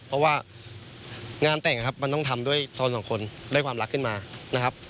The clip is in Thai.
เพราะว่างานแต่งนะครับมันต้องทำด้วยโซนสองคนด้วยความรักขึ้นมานะครับ